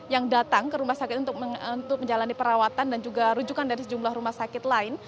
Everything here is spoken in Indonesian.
yang datang ke rumah sakit untuk menjalani perawatan dan juga rujukan dari sejumlah rumah sakit lain